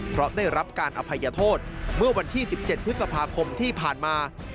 เพราะได้รับการอภัยโทษเมื่อวันที่๑๗พฤษภาคมที่ผ่านมา